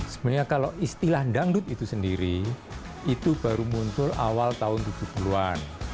sebenarnya kalau istilah dangdut itu sendiri itu baru muncul awal tahun tujuh puluh an